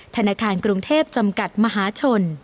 ธนาคารกรุงเทพจำกัดมหาชน